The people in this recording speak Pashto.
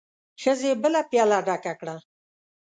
ښځې بله پياله ډکه کړه.